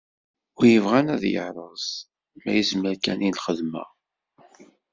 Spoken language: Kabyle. Win yebɣan ad iyi-rreẓ, ma yezmer kan i lxedma.